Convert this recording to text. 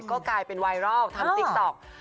ก็กลายเป็นไวรัลทำติ๊กต๊อก